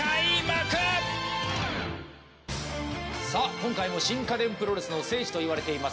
今回も新家電プロレスの聖地といわれています